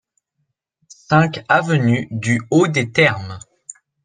cinq avenue du Haut des Termes